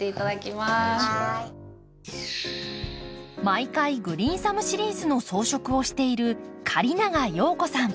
毎回「グリーンサムシリーズ」の装飾をしている狩長陽子さん。